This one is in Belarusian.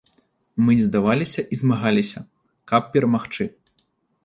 Мы не здаваліся і змагаліся, каб перамагчы.